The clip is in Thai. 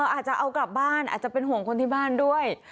อาจจะเอากลับบ้านอาจจะเป็นห่วงคนที่บ้านด้วย